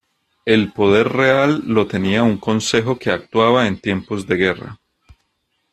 El poder real lo tenía un Consejo que actuaba en tiempos de guerra.